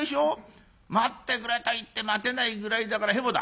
『待ってくれ』と言って待てないぐらいだからヘボだ」。